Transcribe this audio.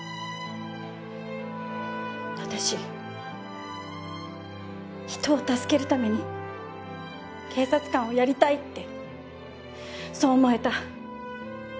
私人を助けるために警察官をやりたいってそう思えた。